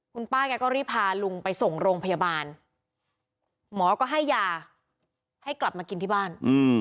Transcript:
คุณป้าแกก็รีบพาลุงไปส่งโรงพยาบาลหมอก็ให้ยาให้กลับมากินที่บ้าน